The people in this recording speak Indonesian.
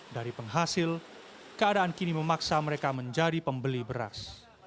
dari penghasil keadaan kini memaksa mereka menjadi pembeli beras